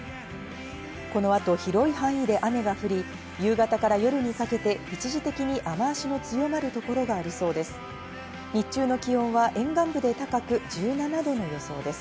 この後、広い範囲で雨が降り、夕方から夜にかけて一時的に雨足の強まる所がありそうです。